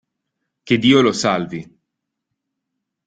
Che Dio lo salvi.